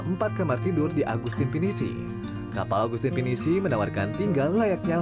empat kamar tidur di agustin pinisi kapal agustin penisi menawarkan tinggal layaknya